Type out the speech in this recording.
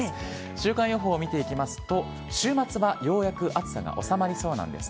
週間予報を見ていきますと週末はようやく暑さが収まりそうです。